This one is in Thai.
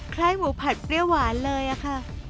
ไคล่หมูผัดเปรี้ยวหวานเลยนะคะ